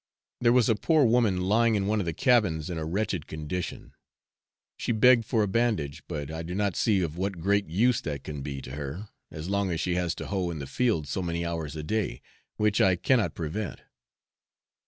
There was a poor woman lying in one of the cabins in a wretched condition. She begged for a bandage, but I do not see of what great use that can be to her, as long as she has to hoe in the fields so many hours a day, which I cannot prevent.